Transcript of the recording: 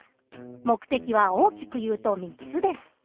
目的は大きくいうと３つです。